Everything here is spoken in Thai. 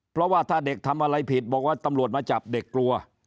เพราะว่าถ้าเด็กทำอะไรผิดบอกว่าตำรวจมาจับเด็กกลัว